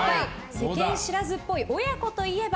世間知らずっぽい親子といえば？